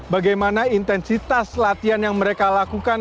bagaimana intensitas latihan yang mereka lakukan